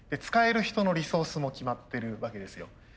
使える人のリソースも決まってるわけですよ。